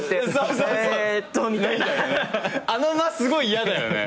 あの間すごい嫌だよね。